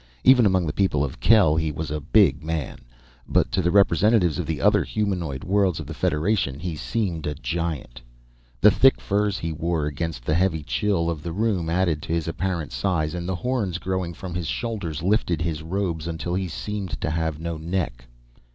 Even among the people of Kel he was a big man, but to the representatives of the other humanoid worlds of the Federation, he seemed a giant. The thick furs he wore against the heavy chill of the room added to his apparent size, and the horns growing from his shoulders lifted his robes until he seemed to have no neck.